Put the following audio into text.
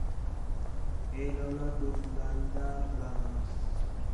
ہے لولا کُج لالین٘دا کھڑا ہا